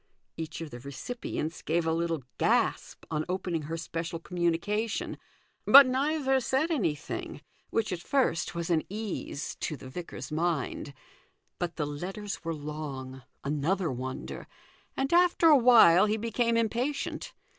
Each of the recipients gave a little gasp on opening her special communication, but neither said anything, which at first was an ease to the vicar's mind. But the letters were long (another wonder), and after a while he became impatient.